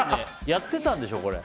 やってたんでしょこれ。